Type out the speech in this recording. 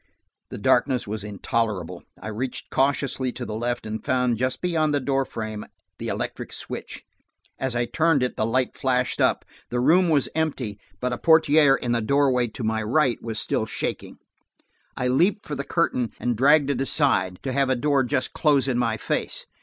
The darkness was intolerable: I reached cautiously to the left and found, just beyond the door frame, the electric switch. As I turned it the light flashed up. The room was empty, but a portière in a doorway at my right was still shaking. I leaped for the curtain and dragged it aside, to have a door just close in my face.